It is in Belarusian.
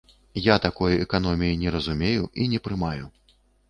Я такой эканоміі не разумею і не прымаю.